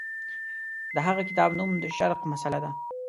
د هغه کتاب نوم د شرق مسأله ده.